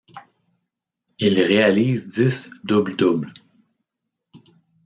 Il réalise dix double-doubles.